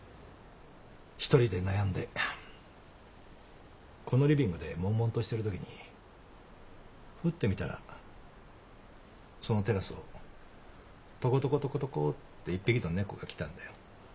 一人で悩んでこのリビングでもんもんとしてるときにふって見たらそのテラスをとことことことこって１匹の猫が来たんだよ。